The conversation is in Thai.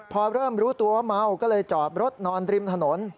พอเริ่มรู้ตัวว่าเมาก็เลยจอดรถนอนริมถนน